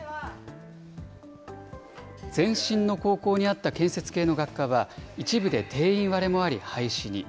前身の高校にあった建設系の学科は一部で定員割れもあり廃止に。